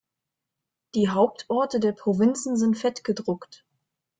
Die Hauptorte der Provinzen sind fett gedruckt.